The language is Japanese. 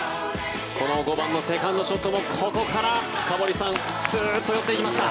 この５番のセカンドショットもここから深堀さんすっと寄っていきました。